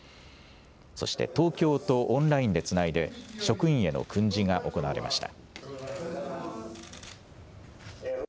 そして東京とオンラインでつないで、職員への訓示が行われました。